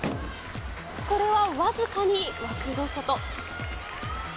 これは僅かに枠の外。